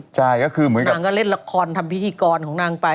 ใช่ก็คือเหมือนกับนางก็เล่นละครทำพิธีกรของนางไป